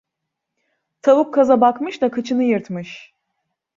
Tavuk kaza bakmış da kıçını yırtmış.